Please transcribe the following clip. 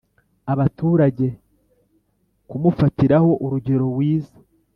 abaturage kumufatiraho urugero wiza